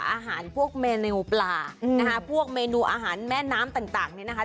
อาหารพวกเมนูปลานะคะพวกเมนูอาหารแม่น้ำต่างเนี่ยนะคะ